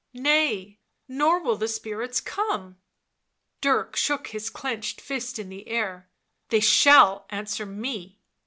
" Nay, nor will the spirits come." Dirk shook his clenched fist in the air. " They shall answer me."